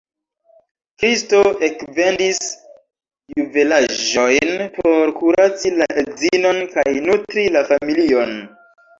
Kristo ekvendis juvelaĵojn por kuraci la edzinon kaj nutri la familion.